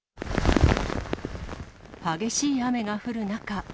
激しい雨が降る中。